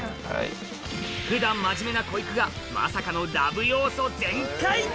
普段真面目なこいくがまさかのラブ要素全開！